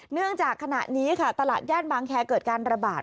เนื่องจากขณะนี้ค่ะตลาดย่านบางแคร์เกิดการระบาด